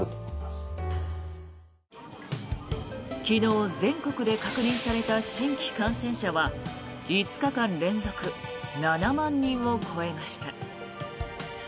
昨日、全国で確認された新規感染者は５日間連続７万人を超えました。